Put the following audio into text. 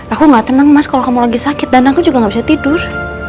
aku gak tenang mas kalau kamu lagi sakit dan aku juga gak bisa tidur